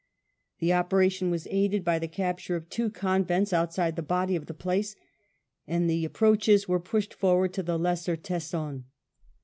The operation was aided by the capture of two convents outside the body of the place, and the approaches were pushed forward to the Lesser Teson.